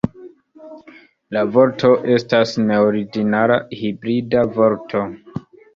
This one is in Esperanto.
La vorto estas neordinara hibrida vorto.